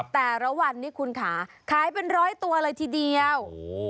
แต่ละวันนี้คุณค่ะขายเป็นร้อยตัวเลยทีเดียว